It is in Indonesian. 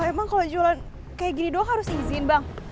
emang kalau jualan kayak gini doang harus izin bang